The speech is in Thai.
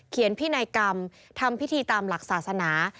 พินัยกรรมทำพิธีตามหลักศาสนา